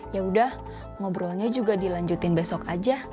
yaudah ngobrolnya juga dilanjutin besok aja